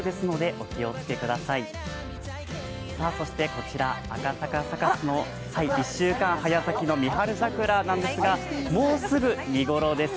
こちら、赤坂サカスの１週間早咲きの三春桜なんですが、もうすぐ見頃です。